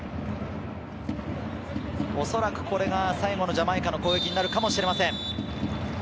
おそらくこれが最後のジャマイカの攻撃になるかもしれません。